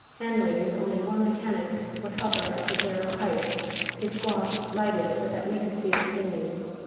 Hanley, with only one mechanic, would hover at the zero height, his Wasp lighted so that we could see it plainly.